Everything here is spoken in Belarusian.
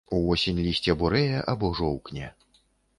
Увосень лісце бурэе або жоўкне.